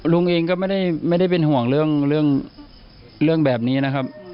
ลุงเองก็ไม่ได้เป็นห่วงเรื่องแบบนี้นะครับ